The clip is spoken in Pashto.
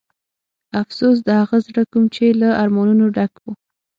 افسوس د هغه زړه کوم چې له ارمانونو ډک و.